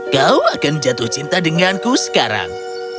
kau akan jatuh cinta denganku sekarang